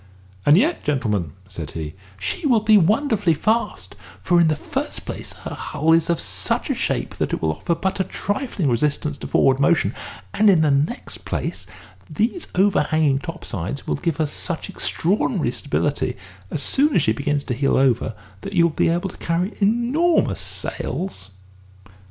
"And yet, gentlemen," said he, "she will be wonderfully fast, for, in the first place, her hull is of such a shape that it will offer but a trifling resistance to forward motion; and, in the next place, these overhanging top sides will, give her such extraordinary stability, as soon as she begins to heel over, that you will be able to carry enormous sails."